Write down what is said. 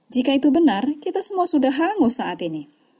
jika itu benar kita semua sudah hangus saat ini